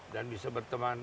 dan bisa berteman